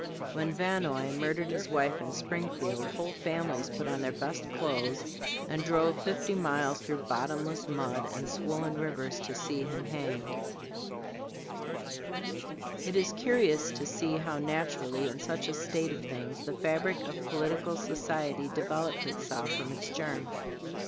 When Vannoy murdered his wife in Springfield, whole families put on their best clothes and drove fifty miles through bottomless mud and swollen rivers to see him hanged. [Sidenote: Power, "Early Settlers of Sangamon County," p. 88.] It is curious to see how naturally in such a state of things the fabric of political society developed itself from its germ.